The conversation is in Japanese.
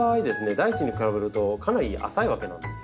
大地に比べるとかなり浅いわけなんですよ。